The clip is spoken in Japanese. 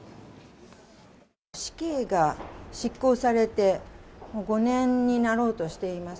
死刑が執行されてもう５年になろうとしています。